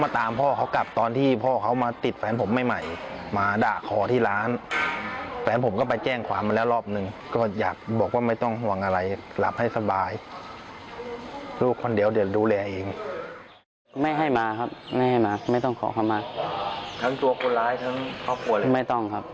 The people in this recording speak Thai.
ถ้ามาก็อาจจะมีแน่ครับ